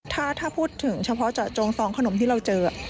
ถ้าพูดถึงเฉพาะเจาะจงซองขนมที่เราเจอ